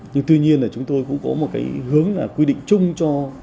nhưng tuy nhiên là chúng tôi cũng có một cái hướng là quy định chung cho